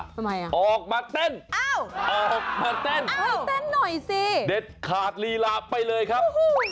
ทำไมอ่ะออกมาเต้นอ้าวออกมาเต้นเต้นหน่อยสิเด็ดขาดลีลาไปเลยครับ